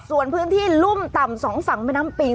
ส่วนพื้นที่รุ่มต่ำสองฝั่งแม่น้ำปิง